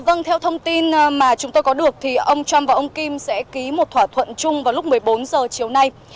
vâng theo thông tin mà chúng tôi có được thì ông trump và ông kim sẽ ký một thỏa thuận chung vào lúc một mươi bốn h chiều nay